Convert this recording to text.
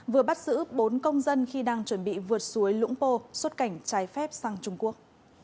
vừa bắt giữ bốn công dân khi đang chuẩn bị vượt suối lũng pô xuất cảnh trái phép sang trung quốc